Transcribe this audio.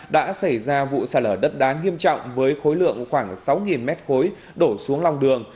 đã xảy ra vụ xa lở đất đán nghiêm trọng với khối lượng khoảng sáu m khối đổ xuống lòng đường